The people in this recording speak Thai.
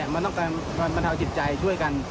มันต้องการบรรเทาจิตใจช่วยกัน